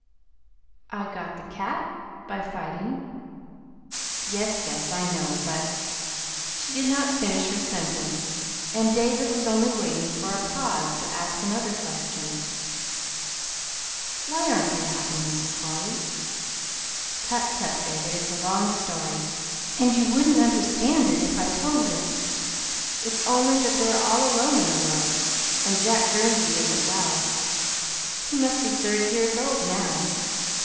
"I got the cat by fighting." "Yes, yes, I know; but " She did not finish her sentence, and David was only waiting for a pause to ask another question. "Why aren't they happy, Mrs. Holly?" "Tut, tut, David, it's a long story, and you wouldn't understand it if I told it. It's only that they're all alone in the world, and Jack Gurnsey isn't well. He must be thirty years old now.